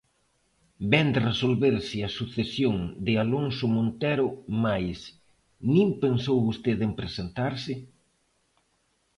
Vén de resolverse a sucesión de Alonso Montero mais, nin pensou vostede en presentarse?